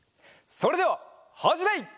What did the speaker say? それでははじめい！